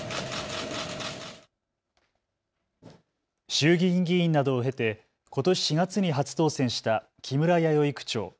衆議院議員などを経てことし４月に初当選した木村弥生区長。